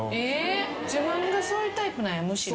自分がそういうタイプなんやむしろ。